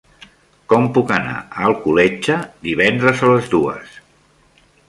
Com puc anar a Alcoletge divendres a les dues?